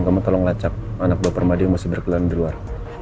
kamu tolong lacak anak buah permadi yang masih berkeliaran di luar